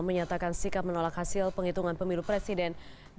menyatakan sikap menolak hasil penghitungan pemilu presiden dua ribu sembilan belas